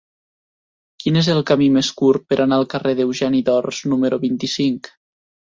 Quin és el camí més curt per anar al carrer d'Eugeni d'Ors número vint-i-cinc?